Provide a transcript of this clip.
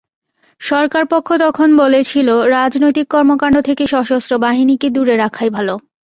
সরকারপক্ষ তখন বলেছিল, রাজনৈতিক কর্মকাণ্ড থেকে সশস্ত্র বাহিনীকে দূরে রাখাই ভালো।